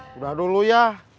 sudah dulu ya